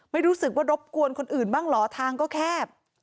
ไม่รู้สึกว่ารบกวนคนอื่นบ้างเหรอทางก็แคบ